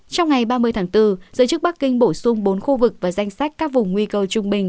trong ngày ba mươi tháng bốn giới chức bắc kinh bổ sung bốn khu vực và danh sách các vùng nguy cơ trung bình